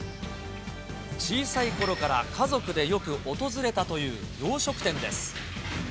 小さいころから家族でよく訪れたという洋食店です。